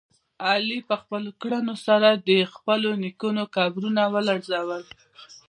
علي په خپلو کړنو سره د خپلو نیکونو قبرونه ولړزول.